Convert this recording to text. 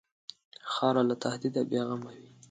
خاوره له تهدیده بېغمه وي.